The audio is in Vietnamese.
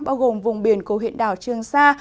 bao gồm vùng biển của huyện đảo trương sa